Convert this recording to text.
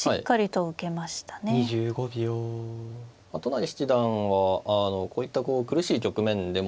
都成七段はこういった苦しい局面でも。